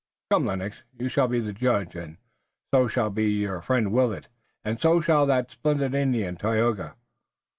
Come, Lennox, you shall be a judge, and so shall be your friend Willet, and so shall that splendid Indian, Tayoga."